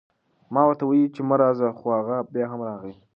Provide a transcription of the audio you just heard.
ما ورته وئيلي وو چې مه راځه، خو هغه بيا هم راغی